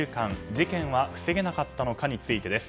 事件は防げなかったのかについてです。